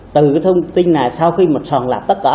từ thông tin này sau khi một soạn lạp tất cả